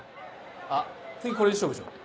あ次これで勝負しよう。